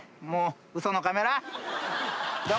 もう嘘のカメラ！